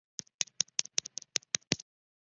杂斑扁尾鲀为鲀科扁尾鲀属的鱼类。